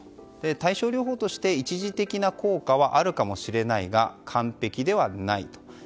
対症療法として一時的な効果はあるかもしれないが完璧ではないと。